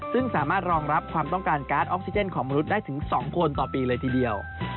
ซึ่งสามารถรองรับความต้องการการ์ดออกซิเจนของมนุษย์ได้ถึง๒คนต่อปีเลยทีเดียว